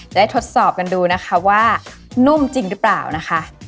ได้ทดสอบกันดูนะคะว่านุ่มจริงหรือเปล่านะคะ